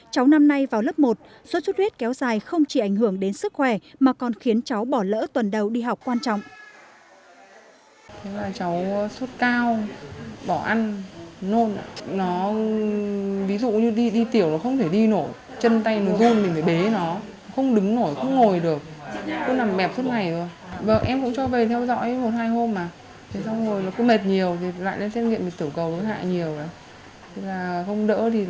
cháu năm nay vào lớp một sốt xuất huyết kéo dài không chỉ ảnh hưởng đến sức khỏe mà còn khiến cháu bỏ lỡ tuần đầu đi học quan trọng